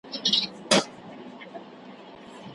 اوومه او اتمه ماده د سوداګرۍ په اړه وې.